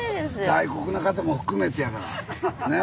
外国の方も含めてやからね。